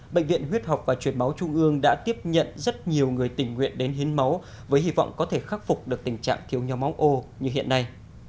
bệnh viện huyết học và truyền máu trung ương đã tiếp nhận rất nhiều người tình nguyện đến hiến máu với hy vọng có thể khắc phục được tình trạng thiếu nhóm máu ô như hiện nay